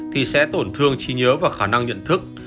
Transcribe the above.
thì sẽ tổn thương trí nhớ và khả năng nhận thức